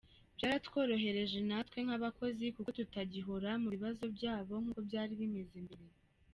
Byaratworohereje natwe nk’abakozi kuko tutagihora mu bibazo byabo nk’uko byari bimeze mbere”.